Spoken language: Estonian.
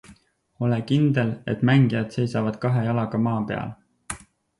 Olen kindel, et mängijad seisavad kahe jalaga maa peal.